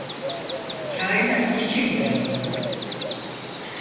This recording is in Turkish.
Kainat niçin yaratıldı?